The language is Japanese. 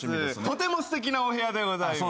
とてもすてきなお部屋でございます。